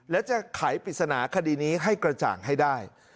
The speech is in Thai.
และจะไขปริศนาคดีนี้ให้กระจ่างให้ได้